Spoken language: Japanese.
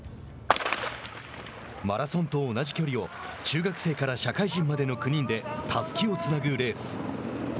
マラソンと同じ距離を中学生から社会人までの９人でたすきをつなぐレース。